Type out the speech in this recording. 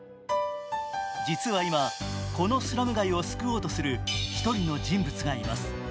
実は今、このスラム街を救おうとする１人の人物がいます。